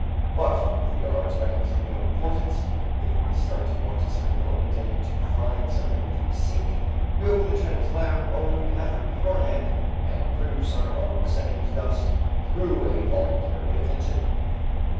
But if we are expecting something of importance, if we start to watch a certain development and to find something which we seek, we open the channels by our own effort beforehand and produce our own settings thus through a voluntary attention.